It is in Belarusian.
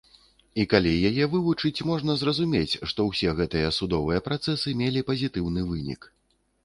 І калі яе вывучыць, можна зразумець, што ўсе гэтыя судовыя працэсы мелі пазітыўны вынік.